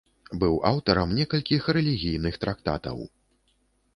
Быў аўтарам некалькіх рэлігійных трактатаў.